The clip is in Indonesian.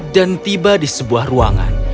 dan tiba di sebuah ruangan